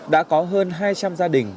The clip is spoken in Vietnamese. đã có hơn hai trăm linh gia đình